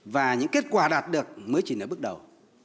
và những kết quả đạt được mới chỉ là bước đầu